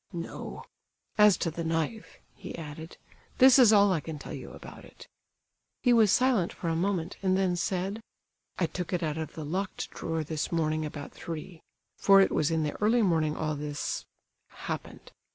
"No. As to the knife," he added, "this is all I can tell you about it." He was silent for a moment, and then said, "I took it out of the locked drawer this morning about three, for it was in the early morning all this—happened.